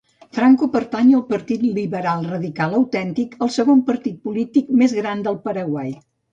Franco pertany al Partit Liberal Radical Autèntic, el segon partit polític més gran del Paraguai.